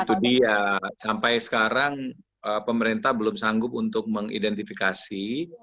itu dia sampai sekarang pemerintah belum sanggup untuk mengidentifikasi